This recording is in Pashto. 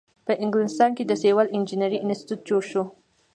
په انګلستان کې د سیول انجینری انسټیټیوټ جوړ شو.